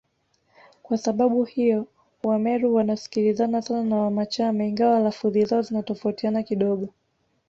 Kwa sababu hiyo Wameru wanasikilizana sana na Wamachame ingawa lafudhi zao zinatofautiana kidogo